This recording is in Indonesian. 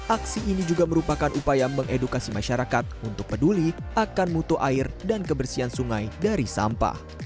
aksi ini juga merupakan upaya mengedukasi masyarakat untuk peduli akan mutu air dan kebersihan sungai dari sampah